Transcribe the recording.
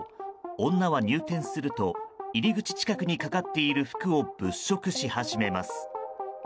女は入店すると入り口近くにかかっている服を物色し始めます。